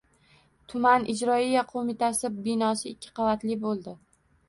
Tuman ijroiya qo‘mitasi binosi ikki qavatli bo‘ldi.